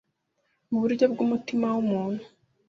Muburyo bwumutima wumuntu